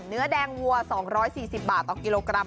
เนื้อแดงวัว๒๔๐บาทต่อกิโลกรัม